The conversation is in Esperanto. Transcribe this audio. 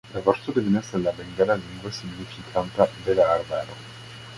La vorto devenas el la bengala lingvo signifanta "bela arbaro".